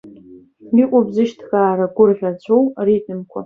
Иҟоуп зышьҭкаара гәаӷьыуацәоу аритмқәа.